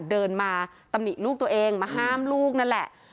เดินมาตำหนิลูกตัวเองมาห้ามลูกนั่นแหละ